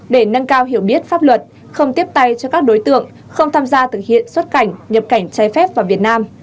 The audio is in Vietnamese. để nâng cao hiểu biết pháp luật không tiếp tay cho các đối tượng không tham gia thực hiện xuất cảnh nhập cảnh trái phép vào việt nam